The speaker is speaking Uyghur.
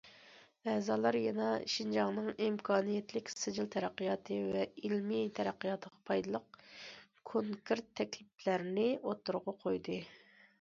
ئەزالار يەنە شىنجاڭنىڭ ئىمكانىيەتلىك سىجىل تەرەققىياتى ۋە ئىلمىي تەرەققىياتىغا پايدىلىق كونكرېت تەكلىپلەرنى ئوتتۇرىغا قويدى.